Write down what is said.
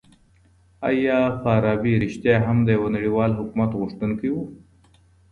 آیا فارابي رښتيا هم د يوه نړيوال حکومت غوښتونکی و؟